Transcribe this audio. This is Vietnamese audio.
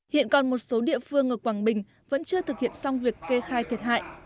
hiện còn một số địa phương ở quảng bình vẫn chưa thực hiện xong việc kê khai thiệt hại